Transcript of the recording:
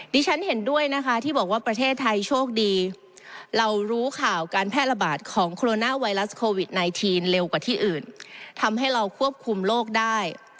ฉันเห็นด้วยนะคะที่บอกว่าประเทศไทยโชคดีเรารู้ข่าวการแพร่ระบาดของโคโรนาไวรัสโควิด๑๙เร็วกว่าที่อื่นทำให้เราควบคุมโรคได้